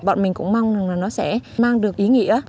bọn mình cũng mong rằng là nó sẽ mang được ý nghĩa